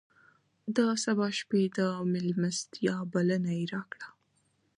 د سبا شپې د مېلمستیا بلنه یې راکړه.